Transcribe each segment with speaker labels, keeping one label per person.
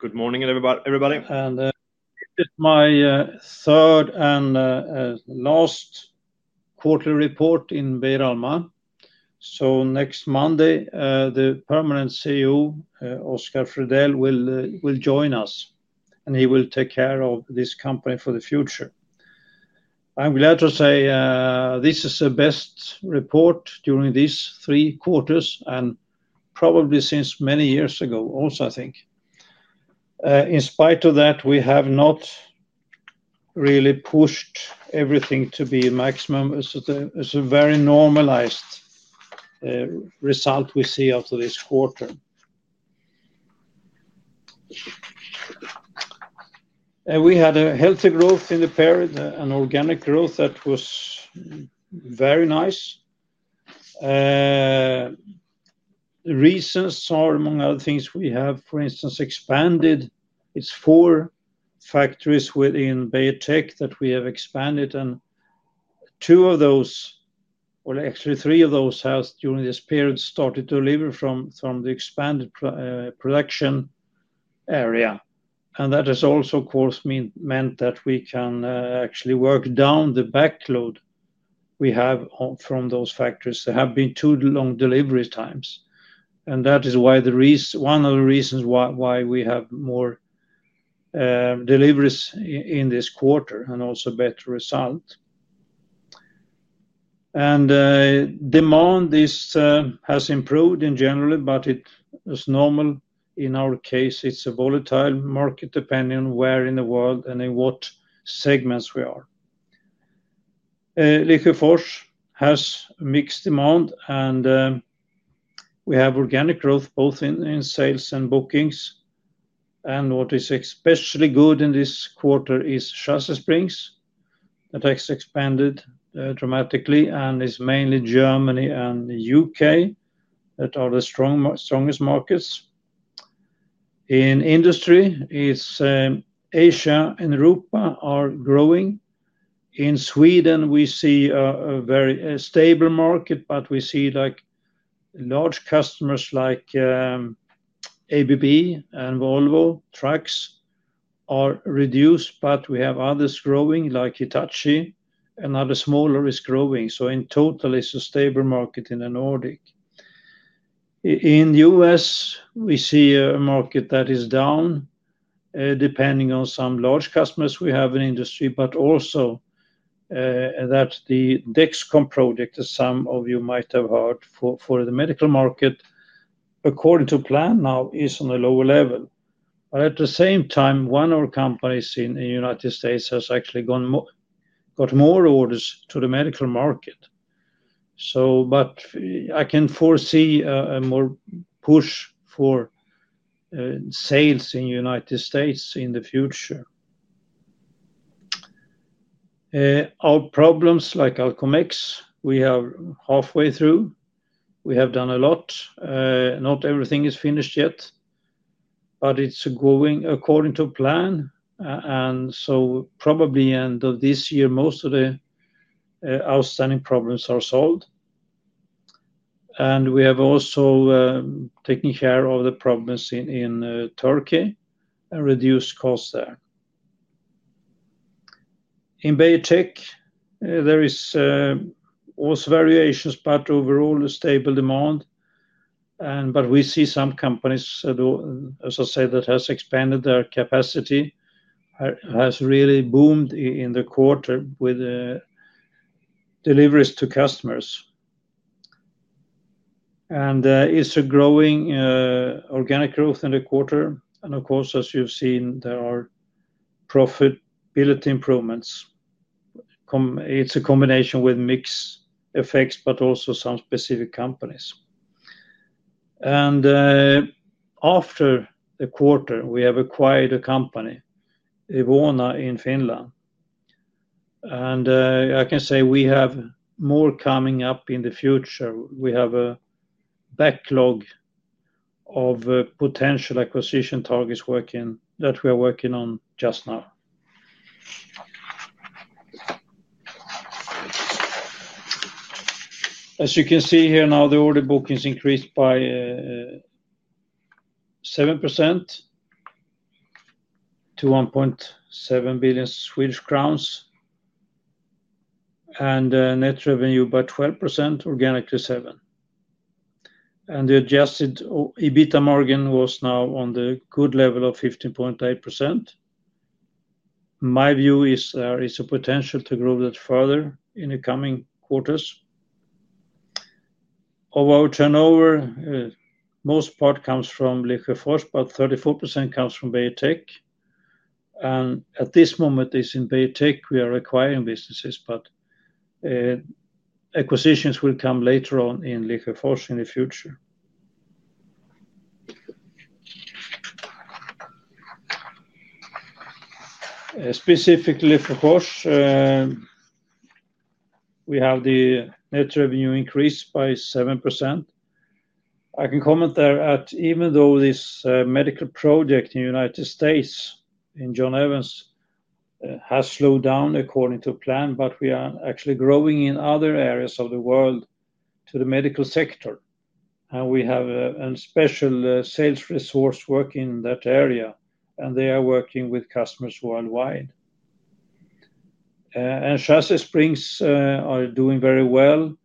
Speaker 1: Good morning, everybody. This is my third and last quarterly report in Beijer Alma. Next Monday, the permanent CEO, Oscar Fredell, will join us, and he will take care of this company for the future. I'm glad to say this is the best report during these three quarters and probably since many years ago also, I think. In spite of that, we have not really pushed everything to be a maximum. It's a very normalized result we see after this quarter. We had a healthy growth in the period, an organic growth that was very nice. The reasons are, among other things, we have, for instance, expanded. It's four factories within Beijer Tech that we have expanded, and two of those, actually three of those, have during this period started to deliver from the expanded production area. That has also, of course, meant that we can actually work down the backlog we have from those factories. There have been too long delivery times, and that is one of the reasons why we have more deliveries in this quarter and also better results. Demand has improved in general, but it is normal. In our case, it's a volatile market depending on where in the world and in what segments we are. Lesjöfors has mixed demand, and we have organic growth both in sales and bookings. What is especially good in this quarter is Chassis Springs that has expanded dramatically and is mainly Germany and the United Kingdom that are the strongest markets. In industry, Asia and Europe are growing. In Sweden, we see a very stable market, but we see large customers like ABB and Volvo Trucks are reduced, but we have others growing like Hitachi, and other smaller is growing. In total, it's a stable market in the Nordic. In the U.S., we see a market that is down depending on some large customers we have in industry, but also that the Dexcom project, as some of you might have heard, for the medical market, according to plan, now is on a lower level. At the same time, one of our companies in the United States has actually got more orders to the medical market. I can foresee a more push for sales in the United States in the future. Our problems, like Alcomex, we are halfway through. We have done a lot. Not everything is finished yet, but it's going according to plan. Probably at the end of this year, most of the outstanding problems are solved. We have also taken care of the problems in Turkey and reduced costs there. In Beijer Tech, there are also variations, but overall a stable demand. We see some companies, as I said, that have expanded their capacity, have really boomed in the quarter with deliveries to customers. It's a growing organic growth in the quarter. Of course, as you've seen, there are profitability improvements. It's a combination with mixed effects, but also some specific companies. After the quarter, we have acquired a company, Ewona, in Finland. I can say we have more coming up in the future. We have a backlog of potential acquisition targets that we are working on just now. As you can see here now, the order booking has increased by 7% to 1.7 billion Swedish crowns and net revenue by 12%, organically 7%. The adjusted EBITDA margin was now on the good level of 15.8%. My view is there is a potential to grow that further in the coming quarters. Of our turnover, the most part comes from Lesjöfors, but 34% comes from Beijer Tech. At this moment, it's in Beijer Tech we are acquiring businesses, but acquisitions will come later on in Lesjöfors in the future. Specifically, Lesjöfors, we have the net revenue increase by 7%. I can comment there that even though this medical project in the U.S. in [Dexcom] has slowed down according to plan, we are actually growing in other areas of the world to the medical sector. We have a special sales resource working in that area, and they are working with customers worldwide. Chassis Springs are doing very well,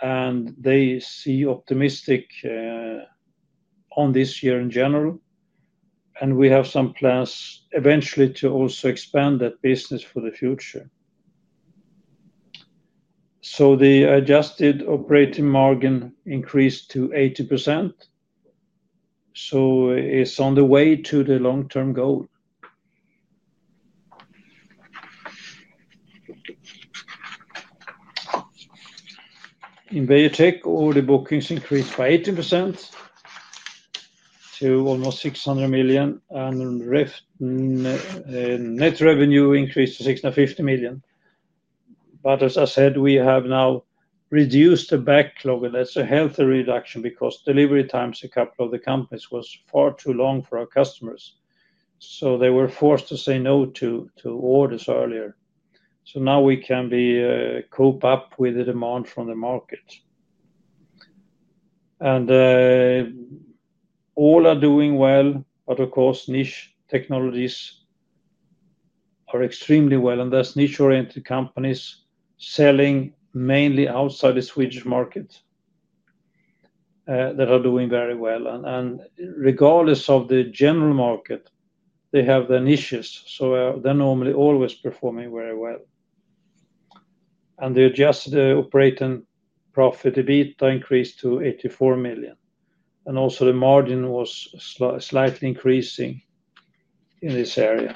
Speaker 1: and they see optimistic on this year in general. We have some plans eventually to also expand that business for the future. The adjusted operating margin increased to 18%. It's on the way to the long-term goal. In Beijer Tech, order bookings increased by 18% to almost 600 million, and net revenue increased to 650 million. As I said, we have now reduced the backlog, and that's a healthy reduction because delivery times in a couple of the companies were far too long for our customers. They were forced to say no to orders earlier. Now we can cope up with the demand from the market. All are doing well, but of course, niche technologies are extremely well. That's niche-oriented companies selling mainly outside the Swedish market that are doing very well. Regardless of the general market, they have their niches. They're normally always performing very well. The adjusted operating profit EBIT increased to 84 million. Also, the margin was slightly increasing in this area.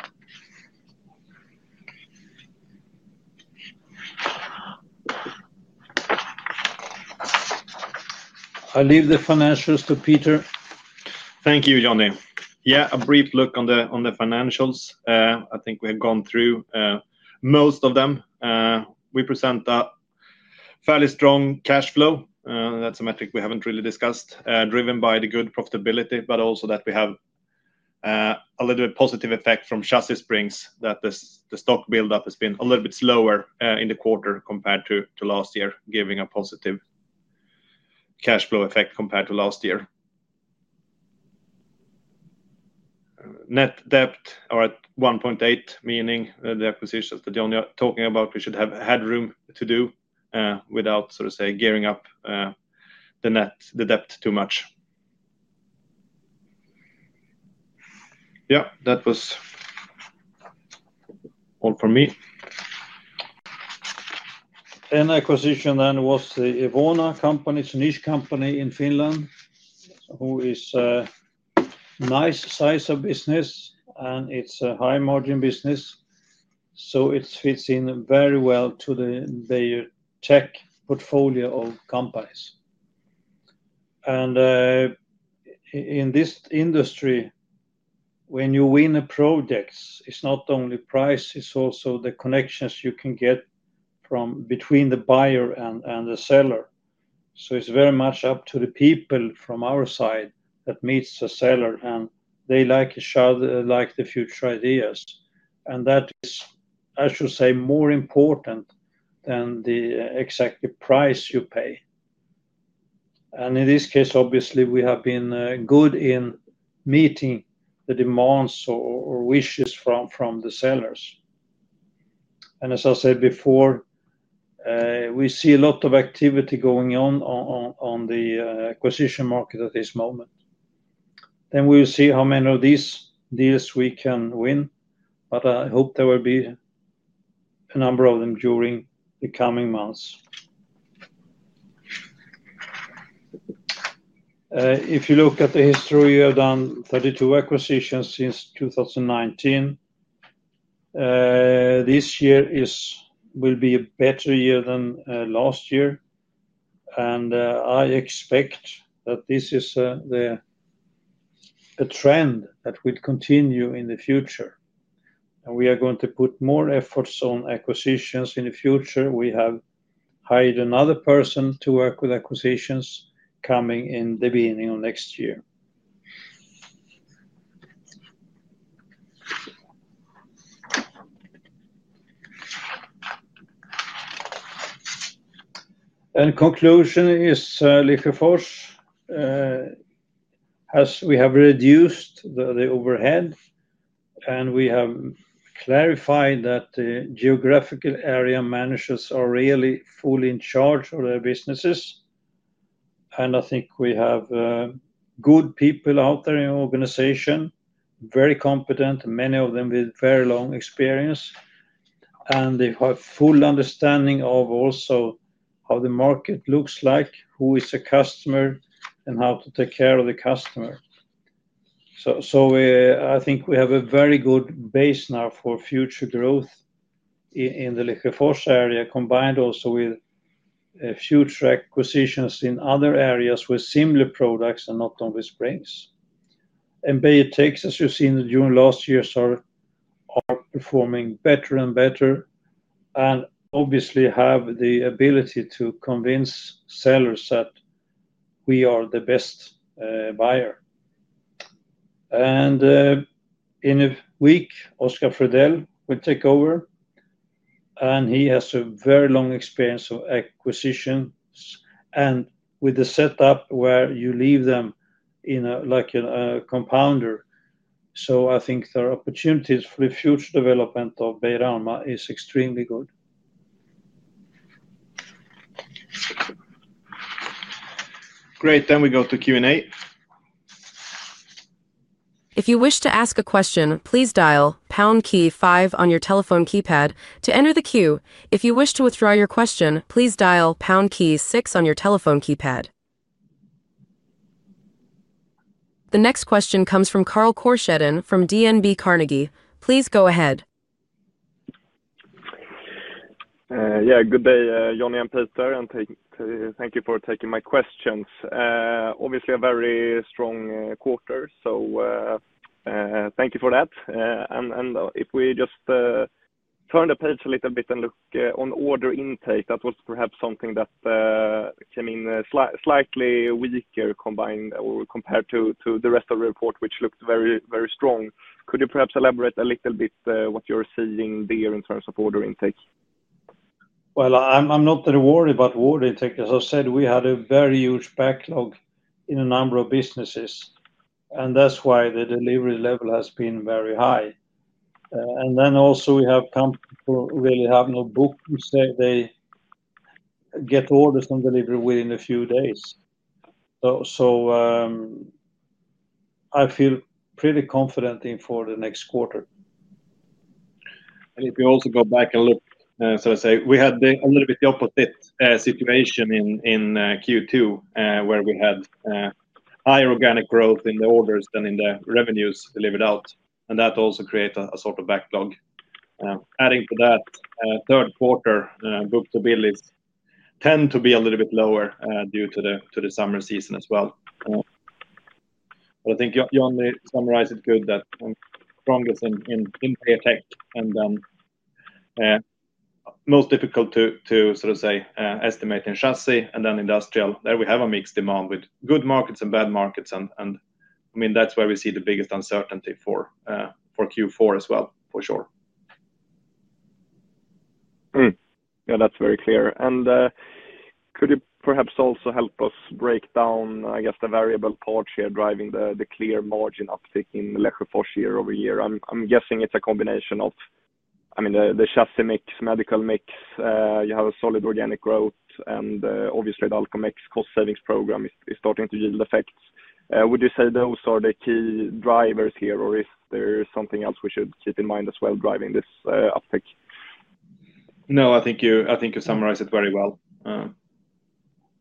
Speaker 1: I leave the financials to Peter.
Speaker 2: Thank you, Johnny. Yeah, a brief look on the financials. I think we have gone through most of them. We present a fairly strong cash flow. That's a metric we haven't really discussed, driven by the good profitability, but also that we have a little bit positive effect from Chassis Springs, that the stock buildup has been a little bit slower in the quarter compared to last year, giving a positive cash flow effect compared to last year. Net debt is at 1.8x, meaning the acquisitions that Johnny is talking about, we should have had room to do without, sort of say, gearing up the net debt too much. Yeah, that was all for me.
Speaker 1: An acquisition then was the Ewona company, it's a niche company in Finland, who is a nice size of business, and it's a high margin business. It fits in very well to the Beijer Tech portfolio of companies. In this industry, when you win projects, it's not only price, it's also the connections you can get between the buyer and the seller. It is very much up to the people from our side that meet the seller, and they like each other, like the future ideas. That is, I should say, more important than the exact price you pay. In this case, obviously, we have been good in meeting the demands or wishes from the sellers. As I said before, we see a lot of activity going on in the acquisition market at this moment. We will see how many of these deals we can win, but I hope there will be a number of them during the coming months. If you look at the history, we have done 32 acquisitions since 2019. This year will be a better year than last year. I expect that this is a trend that will continue in the future. We are going to put more efforts on acquisitions in the future. We have hired another person to work with acquisitions coming in the beginning of next year. In conclusion, Lesjöfors has reduced the overhead, and we have clarified that the geographical area managers are really fully in charge of their businesses. I think we have good people out there in the organization, very competent, many of them with very long experience. They have a full understanding of also how the market looks like, who is a customer, and how to take care of the customer. I think we have a very good base now for future growth in the Lesjöfors area, combined also with future acquisitions in other areas with similar products and not only springs. Beijer Tech, as you've seen during last year, are performing better and better and obviously have the ability to convince sellers that we are the best buyer. In a week, Oscar Fredell will take over. He has a very long experience of acquisitions and with the setup where you leave them in like a compounder. I think there are opportunities for the future development of Beijer Alma is extremely good.
Speaker 2: Great. We go to Q&A.
Speaker 3: If you wish to ask a question, please dial pound key five on your telephone keypad to enter the queue. If you wish to withdraw your question, please dial pound key six on your telephone keypad. The next question comes from Carl Korsheden from DNB Carnegie. Please go ahead.
Speaker 4: Yeah, good day, Johnny and Peter, and thank you for taking my questions. Obviously, a very strong quarter, thank you for that. If we just turn the page a little bit and look on order intake, that was perhaps something that came in slightly weaker compared to the rest of the report, which looked very, very strong. Could you perhaps elaborate a little bit what you're seeing there in terms of order intake?
Speaker 1: I'm not that worried about order intake. As I said, we had a very huge backlog in a number of businesses, and that's why the delivery level has been very high. We have companies who really have no book, and say they get orders on delivery within a few days. I feel pretty confident for the next quarter.
Speaker 2: If you also go back and look, we had a little bit of the opposite situation in Q2, where we had higher organic growth in the orders than in the revenues delivered out. That also created a sort of backlog. Adding to that, third quarter book to bills tend to be a little bit lower due to the summer season as well. I think Johnny summarized it good that the strongest is in Beijer Tech and then most difficult to estimate in Chassis and then industrial. There we have a mixed demand with good markets and bad markets. That's where we see the biggest uncertainty for Q4 as well, for sure.
Speaker 4: That's very clear. Could you perhaps also help us break down the variable parts here driving the clear margin uptake in Lesjöfors year-over-year? I'm guessing it's a combination of the Chassis mix, medical mix. You have a solid organic growth, and obviously, the Alcomex cost savings program is starting to yield effects. Would you say those are the key drivers here, or is there something else we should keep in mind as well driving this uptake?
Speaker 2: No, I think you summarized it very well.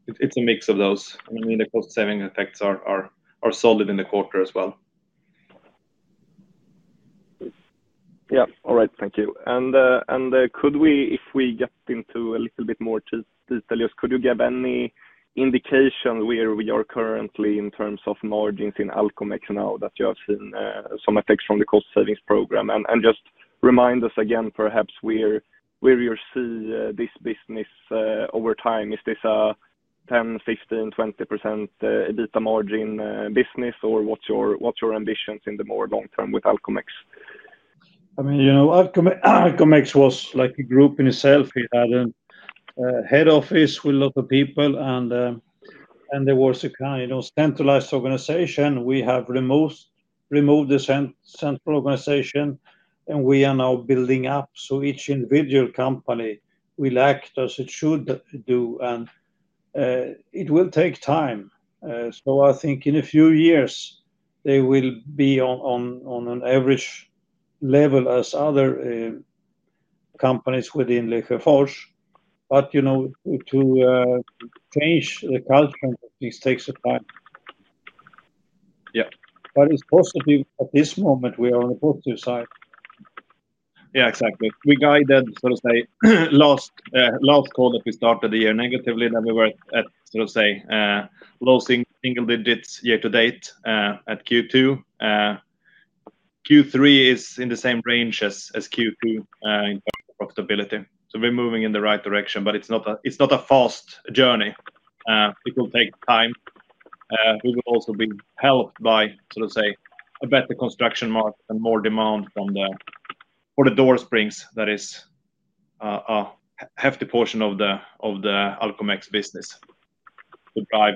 Speaker 2: It's a mix of those. The cost saving effects are solid in the quarter as well.
Speaker 4: All right. Thank you. If we get into a little bit more detail, could you give any indication where we are currently in terms of margins in Alcomex now that you have seen some effects from the cost savings program? Just remind us again, perhaps, where you see this business over time. Is this a 10%, 15%, 20% EBITDA margin business, or what's your ambitions in the more long term with Alcomex?
Speaker 1: I mean, Alcomex was like a group in itself. It had a head office with a lot of people, and there was a kind of centralized organization. We have removed the central organization, and we are now building up. Each individual company will act as it should do, and it will take time. I think in a few years, they will be on an average level as other companies within Lesjöfors. You know, to change the culture, it takes time. Yeah, but it's positive at this moment. We are on the positive side.
Speaker 2: Yeah, exactly. We guided, last quarter we started the year negatively, then we were at low single digits year-to-date at Q2. Q3 is in the same range as Q2 in terms of profitability. We're moving in the right direction, but it's not a fast journey. It will take time. We will also be helped by a better construction market and more demand for the door springs. That is a hefty portion of the Alcomex business to drive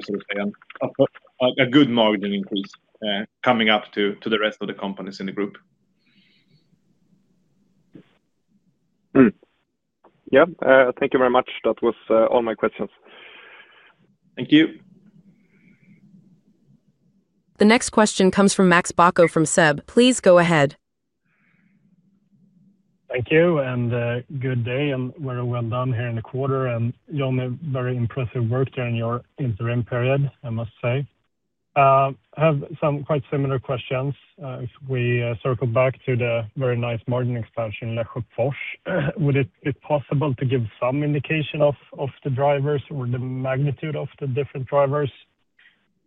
Speaker 2: a good margin increase coming up to the rest of the companies in the group.
Speaker 4: Yeah. Thank you very much. That was all my questions.
Speaker 1: Thank you.
Speaker 3: The next question comes from Max Bacco from SEB. Please go ahead.
Speaker 5: Thank you, and good day, and very well done here in the quarter. Johnny, very impressive work during your interim period, I must say. I have some quite similar questions. If we circle back to the very nice margin expansion in Lesjöfors, would it be possible to give some indication of the drivers or the magnitude of the different drivers?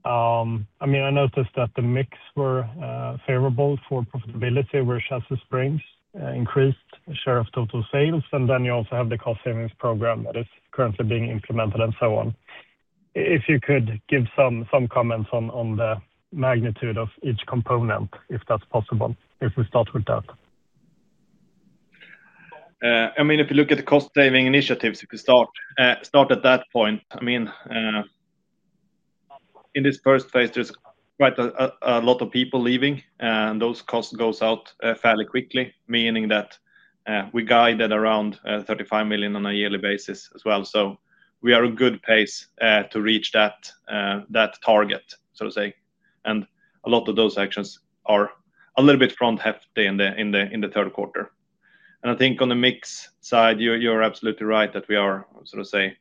Speaker 5: I mean, I noticed that the mix was favorable for profitability where Chassis Springs increased the share of total sales, and then you also have the cost savings program that is currently being implemented and so on. If you could give some comments on the magnitude of each component, if that's possible, if we start with that.
Speaker 1: If you look at the cost saving initiatives, if we start at that point, in this first phase, there's quite a lot of people leaving, and those costs go out fairly quickly, meaning that we guided around 35 million on a yearly basis as well. We are at a good pace to reach that target, so to say. A lot of those actions are a little bit front-heft in the third quarter. I think on the mix side, you're absolutely right that we are, so to say,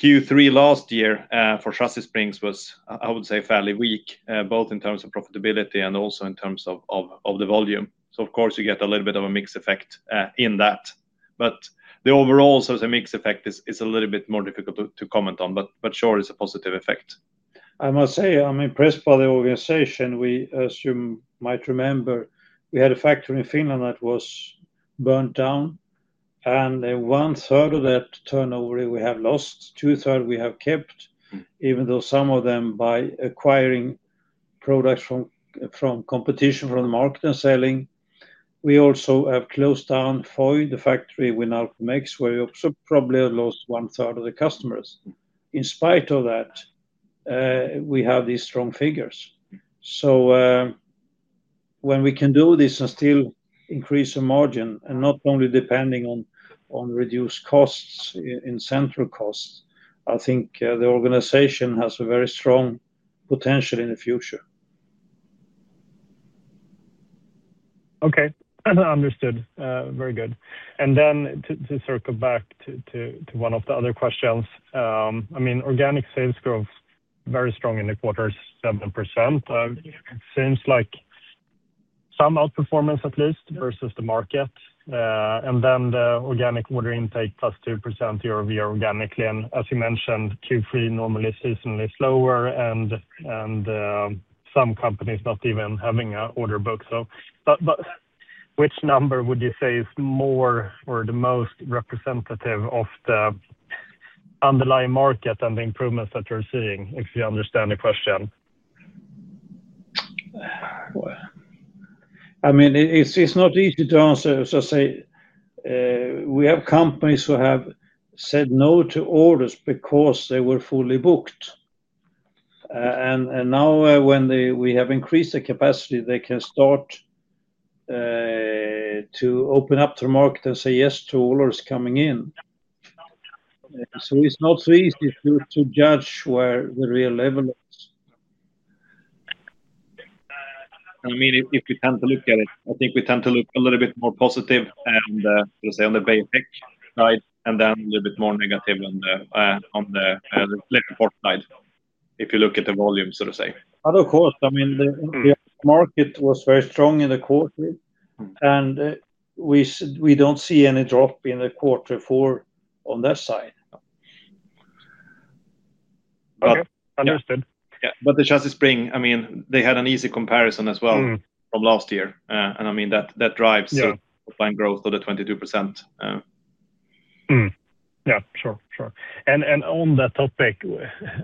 Speaker 1: Q3 last year for Chassis Springs was, I would say, fairly weak, both in terms of profitability and also in terms of the volume. Of course, you get a little bit of a mixed effect in that. The overall, so to say, mixed effect is a little bit more difficult to comment on, but sure, it's a positive effect.
Speaker 2: I must say I'm impressed by the organization. As you might remember, we had a factory in Finland that was burnt down, and 1/3 of that turnover, we have lost. Two-thirds we have kept, even though some of them by acquiring products from competition from the market and selling. We also have closed down Foy, the factory with Alcomex, where we also probably have lost 1/3 of the customers. In spite of that, we have these strong figures. When we can do this and still increase the margin and not only depending on reduced costs in central costs, I think the organization has a very strong potential in the future.
Speaker 5: Okay. Understood. Very good. To circle back to one of the other questions, I mean, organic sales growth is very strong in the quarter, 7%. It seems like some outperformance at least versus the market. The organic order intake is plus 2% year-over-year organically. As you mentioned, Q3 normally is seasonally slower, and some companies not even having an order book. Which number would you say is more or the most representative of the underlying market and the improvements that you're seeing, if you understand the question?
Speaker 1: It's not easy to answer. We have companies who have said no to orders because they were fully booked. Now, when we have increased the capacity, they can start to open up to the market and say yes to orders coming in. It's not so easy to judge where the real level is.
Speaker 2: I mean, if you tend to look at it, I think we tend to look a little bit more positive, so to say, on the Beijer Tech side, and then a little bit more negative on the Lesjöfors side, if you look at the volume, so to say.
Speaker 1: Of course, I mean, the market was very strong in the quarter, and we don't see any drop in quarter four on that side.
Speaker 5: Okay. Understood. Yeah.
Speaker 2: The Chassis Springs, I mean, they had an easy comparison as well from last year, and I mean, that drives the growth of the 22%.
Speaker 5: Yeah, sure. On that topic,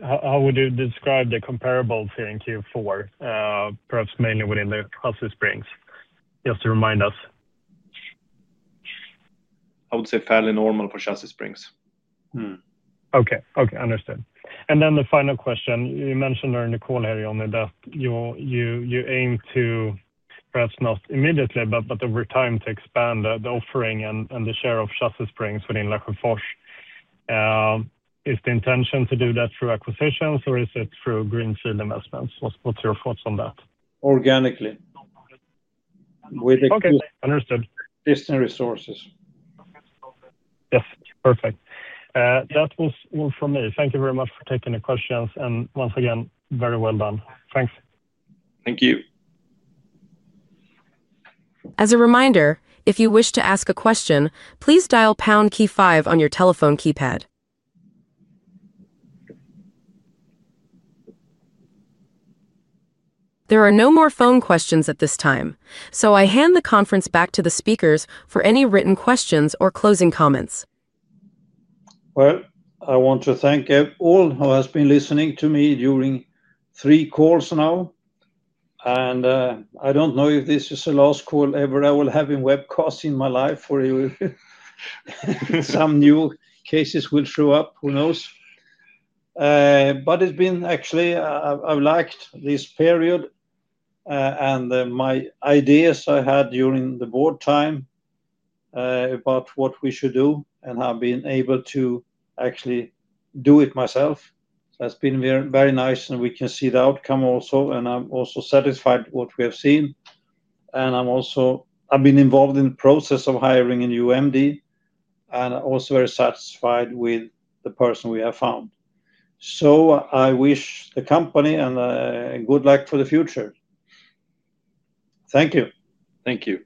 Speaker 5: how would you describe the comparables here in Q4, perhaps mainly within the Chassis Springs? Just to remind us.
Speaker 2: I would say fairly normal for Chassis Springs.
Speaker 5: Okay. Okay. Understood. The final question, you mentioned earlier, Johnny, that you aim to perhaps not immediately, but over time to expand the offering and the share of Chassis Springs within Lesjöfors. Is the intention to do that through acquisitions or is it through greenfield investments? What's your thoughts on that?
Speaker 1: Organically.
Speaker 5: Okay. Understood.
Speaker 1: Distant resources.
Speaker 5: Yes. Perfect. That was all from me. Thank you very much for taking the questions. Once again, very well done. Thanks.
Speaker 1: Thank you.
Speaker 3: As a reminder, if you wish to ask a question, please dial the pound key five on your telephone keypad. There are no more phone questions at this time. I hand the conference back to the speakers for any written questions or closing comments.
Speaker 1: I want to thank all who have been listening to me during three calls now. I don't know if this is the last call ever I will have in webcasts in my life, or some new cases will show up. Who knows? It's been actually, I've liked this period and my ideas I had during the board time about what we should do and have been able to actually do it myself. That's been very nice, and we can see the outcome also. I'm also satisfied with what we have seen. I've been involved in the process of hiring in UMD, and I'm also very satisfied with the person we have found. I wish the company good luck for the future. Thank you.
Speaker 2: Thank you.